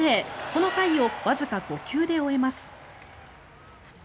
この回をわずか５球で終えます。